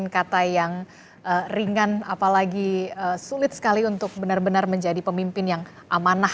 kata yang ringan apalagi sulit sekali untuk benar benar menjadi pemimpin yang amanah